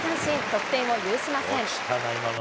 得点を許しません。